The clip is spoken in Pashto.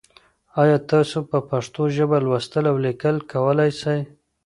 ایا تاسو په پښتو ژبه لوستل او لیکل کولای سئ؟